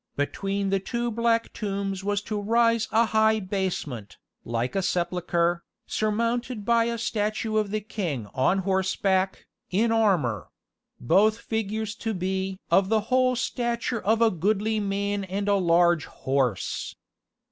Between the two black tombs was to rise a high basement, like a sepulchre, surmounted by a statue of the king on horseback, in armour both figures to be "of the whole stature of a goodly man and a large horse."